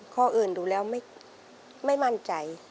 ข้ออื่นดูแล้วไม่มั่นใจ